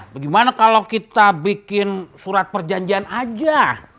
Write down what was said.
bagaimana kalau kita bikin surat perjanjian aja